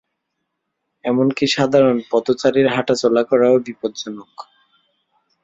এমনকি সাধারণ পথচারীর হাঁটাচলা করাও বিপজ্জনক।